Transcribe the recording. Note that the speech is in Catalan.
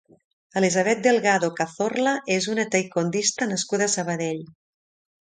Elisabet Delgado Cazorla és una taekwondista nascuda a Sabadell.